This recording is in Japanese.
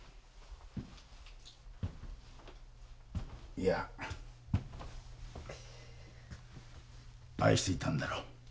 いや愛していたんだろう。